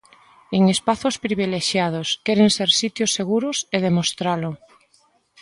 En espazos privilexiados, queren ser sitios seguros e demostralo.